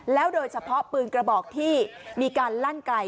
โดยเฉพาะปืนกระบอกที่มีการลั่นไกล